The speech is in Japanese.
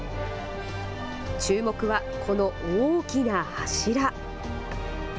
注目はこの大きな柱！